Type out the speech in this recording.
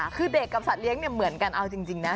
คือเด็กกับสัตว์เลี้ยงเนี่ยเหมือนกันเอาจริงนะ